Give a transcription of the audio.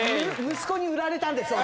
息子に売られたんです私。